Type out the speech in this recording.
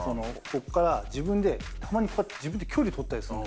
ここから自分でたまにこうやって自分で距離取ったりするの。